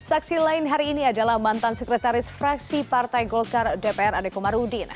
saksi lain hari ini adalah mantan sekretaris fraksi partai golkar dpr adekomarudin